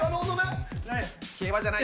競馬じゃない。